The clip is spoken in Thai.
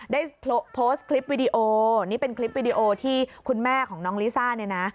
ได้โพสต์คลิปวิดีโอนี่เป็นคลิปวิดีโอที่คุณแม่ของน้องลิซ่าเนี่ยนะ